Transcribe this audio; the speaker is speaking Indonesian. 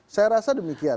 saya rasa demikian